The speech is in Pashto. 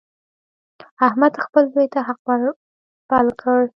احمد خپل زوی ته حق ور پل کړ.